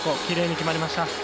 きれいに決まりました。